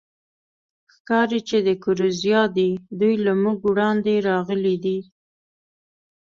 ښکاري، چې د ګوریزیا دي، دوی له موږ وړاندې راغلي دي.